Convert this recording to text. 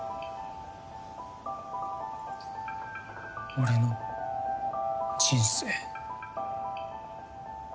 俺の人生。